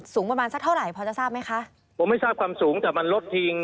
สูงประมาณสักเท่าไหร่พอจะทราบไหมคะผมไม่ทราบความสูงแต่มันลดทิ้ง